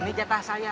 ini jatah saya